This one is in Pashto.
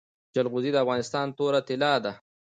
جلغوزي د افغانستان توره طلا ده